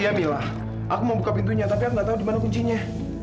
ya mila aku mau buka pintunya tapi aku nggak tahu di mana kuncinya